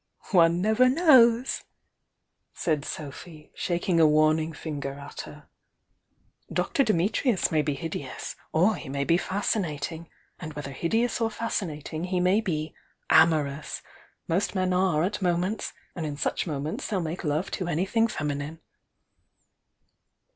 "One never knows!" said Sophy, shaking a warn ing finger at her. "Dr. Dimitrius may be hideous— or he may be fascinating. And whether hideous or fascmatinp he may be— amorous! Most men are, at moments!— and in such moments they'll make love to anything feminine."